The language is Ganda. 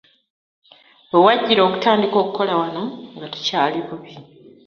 We wajjira okutandika okukola wano nga tukyali bubi.